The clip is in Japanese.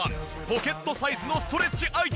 ポケットサイズのストレッチアイテム。